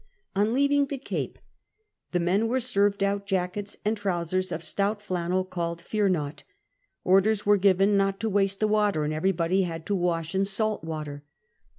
On leaving the Cape the men were served out jackets and trousers of stout flannel called fearnought. Orders were given not to waste the water, and everybody had to wash in salt water.